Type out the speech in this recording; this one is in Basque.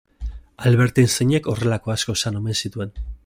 Albert Einsteinek horrelako asko esan omen zituen.